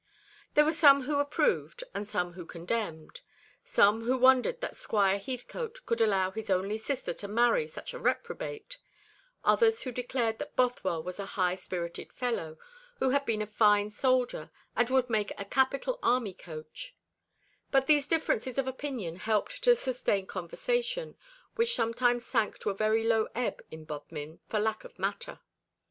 There were some who approved, and some who condemned; some who wondered that Squire Heathcote could allow his only sister to marry such a reprobate, others who declared that Bothwell was a high spirited fellow, who had been a fine soldier, and would make a capital army coach; but these differences of opinion helped to sustain conversation, which sometimes sank to a very low ebb in Bodmin for lack of matter.